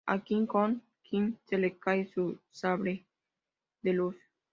A Qui-Gon Jinn se le cae su sable de luz.